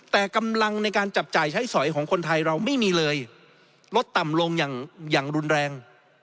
แต่กำลังในการจับจ่ายใช้สอยของคนไทยเราไม่มีเลยลดต่ำลงอย่างรุนแรง